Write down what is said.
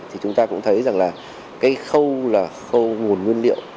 thì chúng ta cũng thấy rằng là cái khâu là khâu nguồn nguyên liệu